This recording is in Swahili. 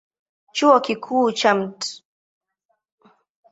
Chuo Kikuu cha Mt.